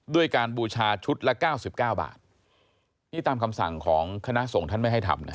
ด้วยการบูชาชุดละ๙๙บาทนี่ตามคำสั่งของคณะส่งท่านไม่ให้ทำนะ